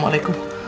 baik pak ustadz